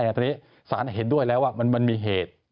แต่ทีนี้ศาลเห็นด้วยแล้วว่ามันมีเหตุ